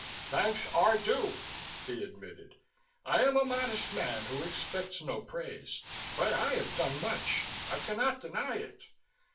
"Thanks are due," he admitted. "I am a modest man who expects no praise, but I have done much. I cannot deny it.